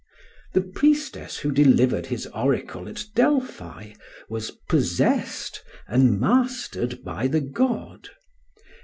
The priestess who delivered his oracle at Delphi was possessed and mastered by the god.